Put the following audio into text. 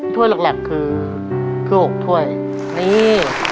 ถ้วยหลักหลักคือ๖ถ้วยนี่